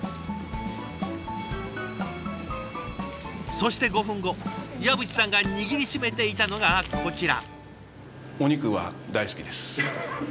そして５分後岩渕さんが握りしめていたのがこちら。